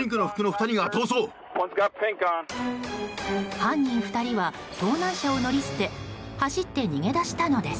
犯人２人は盗難車を乗り捨て走って逃げ出したのです。